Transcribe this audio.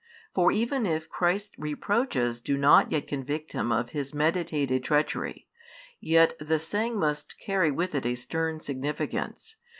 For even if Christ's reproaches do not yet convict him of his meditated treachery, yet the saying must carry with it a stern significance.